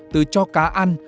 từ cho cá ăn